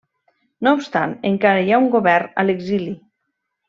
No obstant encara hi ha un govern a l'exili.